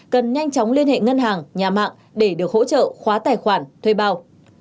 cần nhanh chóng liên hệ ngân hàng nhà mạng để được hỗ trợ khóa tài khoản thuê bao